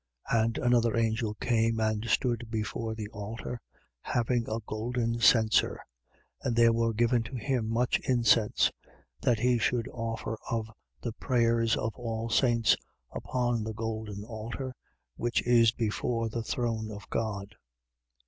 8:3. And another angel came and stood before the altar, having a golden censer: and there was given to him much incense, that he should offer of the prayers of all saints, upon the golden altar which is before the throne of God.